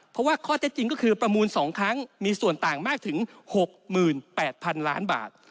เพราะว่าข้อเท็จจริงก็คือประมูล๒ครั้งมีส่วนต่างมากถึง๖๘๐๐๐ล้านบาท